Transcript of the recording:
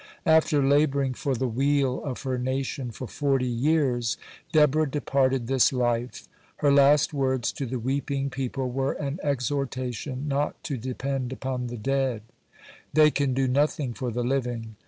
(90) After laboring for the weal of her nation for forty years, Deborah departed this life. Her last words to the weeping people were an exhortation not to depend upon the dead. They can do nothing for the living.